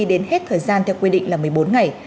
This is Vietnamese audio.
đến hết thời gian theo quy định là một mươi bốn ngày